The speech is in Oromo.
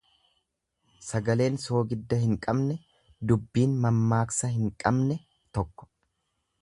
Sagaleen soogidda hin qabne, dubbiin mammaaksa hin qabne tokko.